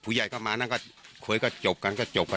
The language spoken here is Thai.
ผู้ใหญ่ก็มานั่นก็คุยก็จบกันก็จบกัน